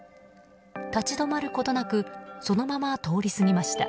立ち止まることなくそのまま通り過ぎました。